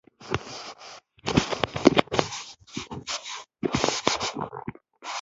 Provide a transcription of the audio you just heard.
جمال الدین عطیه کتاب تفعیل مقاصد الشریعة ته مراجعه وشي.